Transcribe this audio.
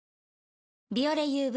「ビオレＵＶ」